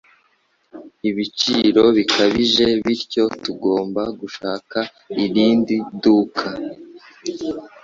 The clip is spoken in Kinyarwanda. ibiciro bikabije bityo tugomba gushaka irindi duka